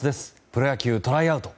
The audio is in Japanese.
プロ野球、トライアウト。